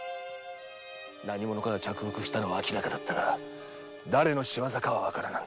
何者かが着服したのはあきらかだったが誰の仕業かはわからなんだ。